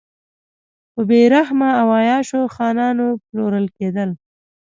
په بې رحمه او عیاشو خانانو پلورل کېدل.